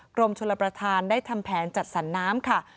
กรมชลประธานได้ทำแผนจัดสรรน้ำค่ะ